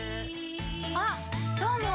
あっ、どうも。